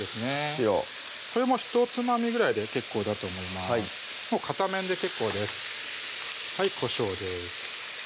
塩これもひとつまみぐらいで結構だと思います片面で結構ですこしょうです